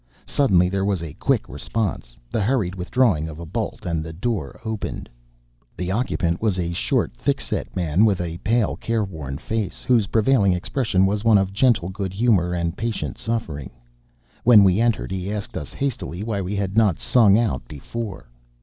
Suddenly there was a quick response, the hurried withdrawing of a bolt, and the door opened. "The occupant was a short, thick set man, with a pale, careworn face, whose prevailing expression was one of gentle good humor and patient suffering. When we entered, he asked us hastily why we had not 'sung out' before.